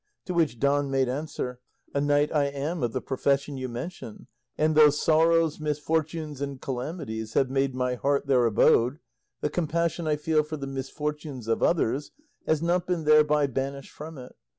To which Don made answer, "A knight I am of the profession you mention, and though sorrows, misfortunes, and calamities have made my heart their abode, the compassion I feel for the misfortunes of others has not been thereby banished from it.